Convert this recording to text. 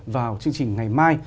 vào chương trình ngày mai